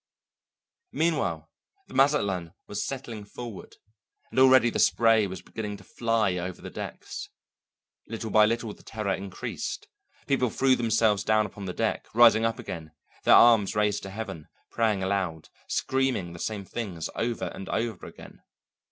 Meanwhile the Mazatlan was settling forward, and already the spray was beginning to fly over the decks. Little by little the terror increased; people threw themselves down upon the deck, rising up again, their arms raised to heaven, praying aloud, screaming the same things over and over again.